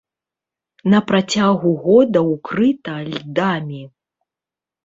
На працягу года ўкрыта льдамі.